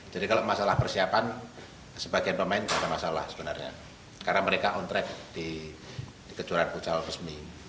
jadi kalau masalah persiapan sebagian pemain tidak masalah sebenarnya karena mereka on track di kejuaraan futsal resmi